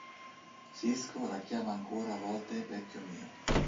Sisko la chiama ancora a volte "vecchio mio".